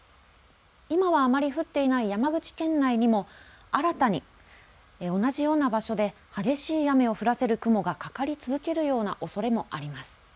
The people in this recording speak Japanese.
今はあまり降っていない山口県内にも新たに同じような場所で激しい雨を降らせる雲がかかり続けるようなおそれもあります。